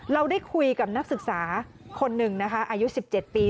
เราได้คุยกับนักศึกษาคนหนึ่งนะคะอายุ๑๗ปี